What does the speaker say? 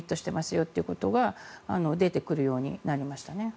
よってことが出てくるようになりましたね。